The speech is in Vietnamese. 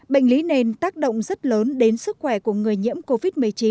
bệnh lý nền tác động rất lớn đến sức khỏe của người nhiễm covid một mươi chín